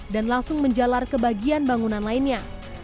dan langsung menjalar ke bagian bangunan lainnya